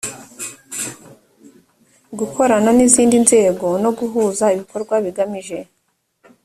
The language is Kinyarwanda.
gukorana n izindi nzego no guhuza ibikorwa bigamije